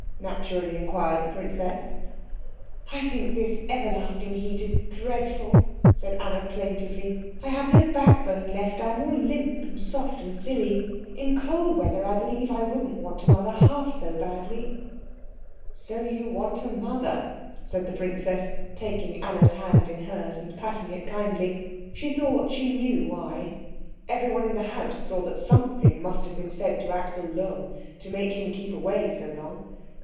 naturally inquired the princess. "I think this everlasting heat is dreadful," said Anna plaintively. "I have no backbone left. I am all limp, and soft, and silly. In cold weather I believe I wouldn't want a mother half so badly." "So you want a mother?" said the princess, taking Anna's hand in hers and patting it kindly. She thought she knew why. Everyone in the house saw that something must have been said to Axel Lohm to make him keep away so long.